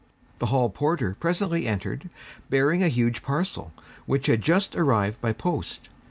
The hall porter presently entered, bearing a huge parcel, which had just arrived by post.